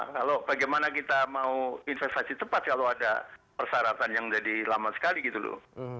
kalau bagaimana kita mau investasi cepat kalau ada persyaratan yang jadi lama sekali gitu loh